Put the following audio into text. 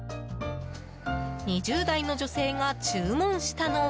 ２０代の女性が注文したのは。